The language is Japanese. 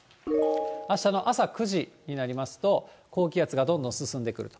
あしたの朝９時になりますと、高気圧がどんどん進んでくると。